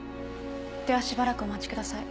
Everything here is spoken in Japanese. ではしばらくお待ちください。